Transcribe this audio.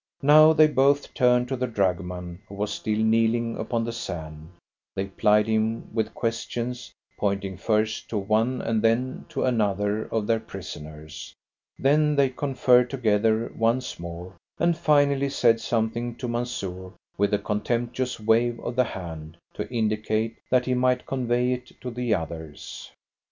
Now they both turned to the dragoman, who was still kneeling upon the sand. They plied him with questions, pointing first to one and then to another of their prisoners. Then they conferred together once more, and finally said something to Mansoor, with a contemptuous wave of the hand to indicate that he might convey it to the others.